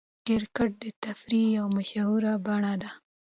کرکټ د تفریح یوه مشهوره بڼه ده.